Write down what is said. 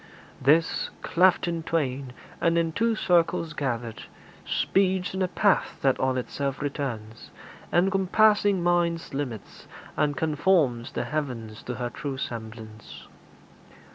This, cleft in twain, and in two circles gathered, Speeds in a path that on itself returns, Encompassing mind's limits, and conforms The heavens to her true semblance.